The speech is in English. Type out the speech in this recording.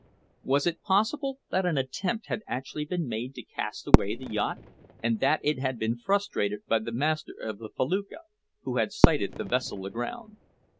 Was it possible that an attempt had actually been made to cast away the yacht, and that it had been frustrated by the master of the felucca, who had sighted the vessel aground?